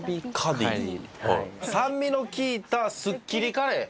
酸味の利いたすっきりカレー。